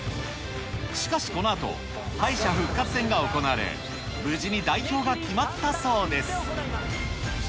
しかしこのあと、敗者復活戦が行われ、無事に代表が決まったそうです。